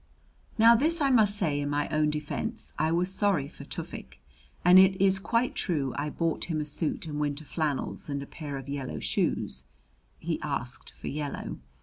Now, this I must say in my own defense I was sorry for Tufik; and it is quite true I bought him a suit and winter flannels and a pair of yellow shoes he asked for yellow.